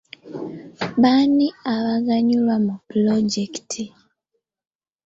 Baani abaganyulwa mu pulojekiti?